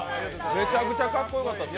めちゃくちゃかっこよかったです。